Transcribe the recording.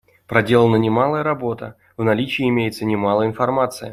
Проделана немалая работа; в наличии имеется немало информации.